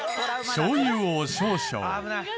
しょう油を少々。